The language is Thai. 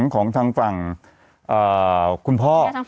ของทางฝั่งคุณพ่อ